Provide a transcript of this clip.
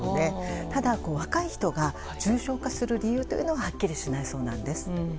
ただ、若い人が重症化する理由というのははっきりしないそうなんです。